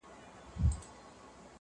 o زه یې د قبر سر ته ناست یمه پیالې لټوم,